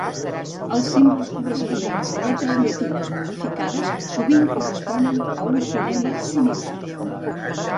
Els símbols corresponents a lletres llatines modificades sovint corresponen a un fonema similar.